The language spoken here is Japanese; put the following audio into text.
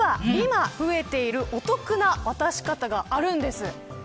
ただ実は、今増えているお得な渡し方があるんです。